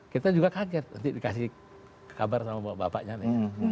kita juga kaget nanti dikasih kabar sama bapaknya nih